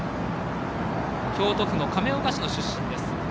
京都府の亀岡市の出身です。